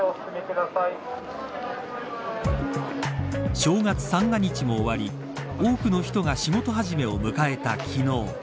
正月三が日も終わり多くの人が仕事始めを迎えた昨日。